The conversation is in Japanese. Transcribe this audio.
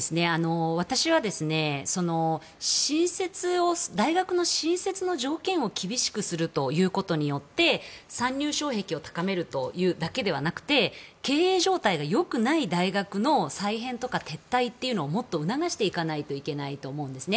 私は大学の新設の条件を厳しくすることで参入障壁を高めるだけではなくて経営状態が良くない大学の再編とか撤退をもっと促していかないといけないと思うんですね。